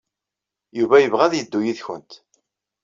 Yuba yebɣa ad yeddu yid-went.